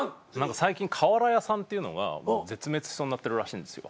最近瓦屋さんっていうのが絶滅しそうになってるらしいんですよ。